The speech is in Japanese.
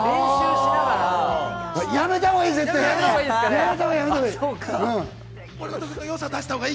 やめたほうがいい。